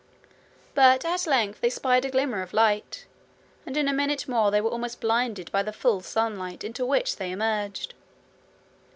But at length they spied a glimmer of light, and in a minute more they were almost blinded by the full sunlight, into which they emerged.